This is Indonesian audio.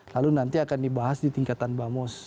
lalu nanti akan dibahas di tingkatan bamus